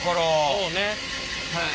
そうね。